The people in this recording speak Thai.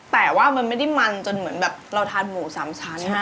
แต่ว่ามันไม่ได้มันจนเหมือนแบบเราทานหมู๓ชั้น